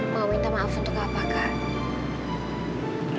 mau minta maaf untuk apa kak